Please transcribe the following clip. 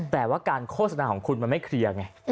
แต่ว่าการโฆษณาของคุณมันไม่เคลียร์ไง